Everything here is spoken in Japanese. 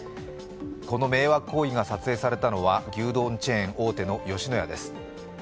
この迷惑行為が撮影されたのは牛丼チェーン大手の吉野家です。